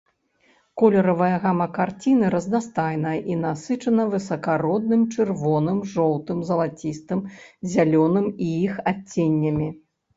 Колеравая гама карціны разнастайная і насычана высакародным чырвоным, жоўтым, залацістым, зялёным і іх адценнямі.